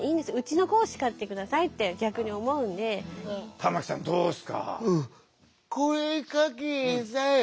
玉木さんどうですか？